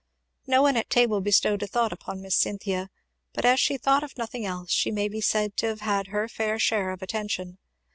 No one at table bestowed a thought upon Miss Cynthia, but as she thought of nothing else she may be said to have had her fair share of attention.